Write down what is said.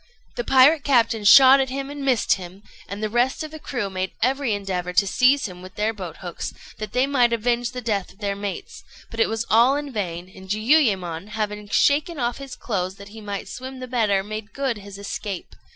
The pirate captain shot at him and missed him, and the rest of the crew made every endeavour to seize him with their boat hooks, that they might avenge the death of their mates; but it was all in vain, and Jiuyémon, having shaken off his clothes that he might swim the better, made good his escape.